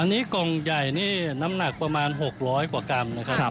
อันนี้กล่องใหญ่นี่น้ำหนักประมาณ๖๐๐กว่ากรัมนะครับ